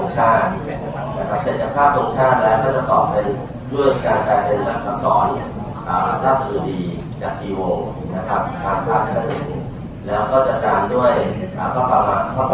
สำหรับบินทางหัวชนิดเข้าวิทยาลัยครับ